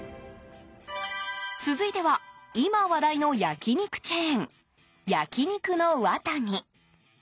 続いては今話題の焼き肉チェーン焼肉の和民。